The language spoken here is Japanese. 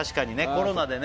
コロナでね